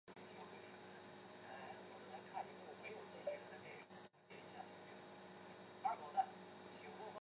蔡汉卿参加了战斗。